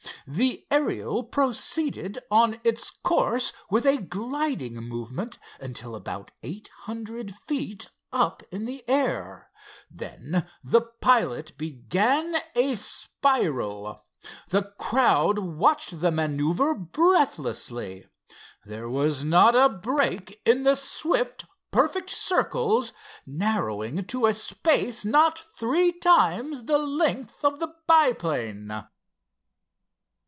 The Ariel proceeded on its course with a gliding movement until about eight hundred feet up in the air. Then the pilot began a spiral. The crowd watched the maneuver breathlessly. There was not a break in the swift, perfect circles, narrowing to a space not three times the length of the biplane.